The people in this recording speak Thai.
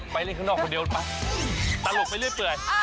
ไปเล่นข้างนอกคนเดียวไปตลกไปเรื่อย